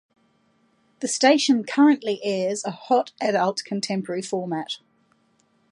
The station currently airs a Hot adult contemporary format.